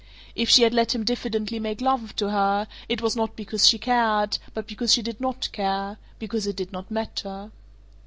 If she had let him diffidently make love to her, it was not because she cared, but because she did not care, because it did not matter.